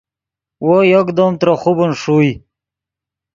وو یکدم ترے خوبن ݰوئے